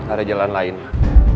ada jalan lain mak